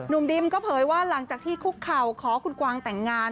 ดิมก็เผยว่าหลังจากที่คุกเข่าขอคุณกวางแต่งงาน